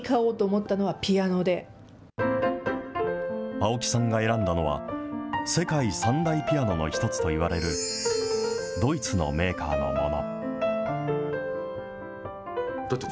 青木さんが選んだのは、世界三大ピアノの一つといわれるドイツのメーカーのもの。